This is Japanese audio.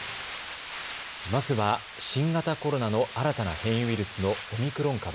まずは新型コロナの新たな変異ウイルスのオミクロン株。